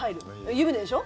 湯船でしょ？